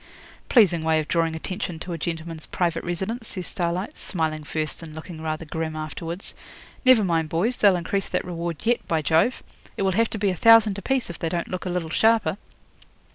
'Pleasing way of drawing attention to a gentleman's private residence,' says Starlight, smiling first and looking rather grim afterwards. 'Never mind, boys, they'll increase that reward yet, by Jove! It will have to be a thousand a piece if they don't look a little sharper.'